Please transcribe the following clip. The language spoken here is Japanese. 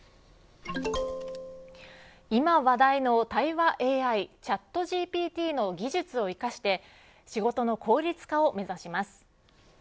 今話題の対話ＡＩＣｈａｔＧＰＴの技術を生かして仕事の効率化を目指します。